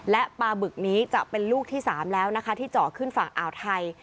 และปลาบึกนี้จะเป็นลูกที่๓แล้วนะคะที่เจาะขึ้นฝั่งอ่าวไทย